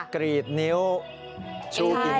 กรีดนิ้วชูกี่นิ้ว